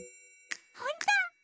ほんと！？